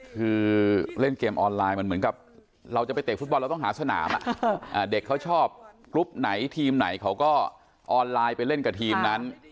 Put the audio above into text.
คือเล่นเกมออนไลน์มันเหมือนกับเราจะไปเตะฟุตบอลเราต้องหาสนามเด็กเขาชอบกรุ๊ปไหนทีมไหนเขาก็ออนไลน์ไปเล่นกับทีมนั้น